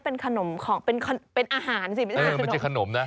เป็นขนมของเป็นเป็นอาหารสิไม่ใช่ขนมนะ